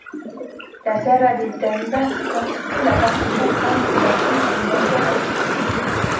La serra di Tenda constitue la partie centrale du massif du Monte Astu.